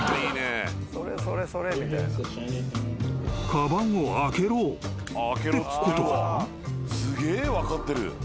［かばんを開けろってことかな？］